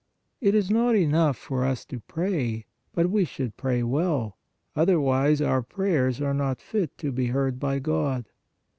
It is not enough for us to pray, but we should pray well, otherwise our prayers are not fit to be heard by God.